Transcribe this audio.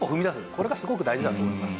これがすごく大事だと思います。